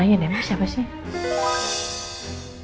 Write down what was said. aku mau nanya deh siapa sih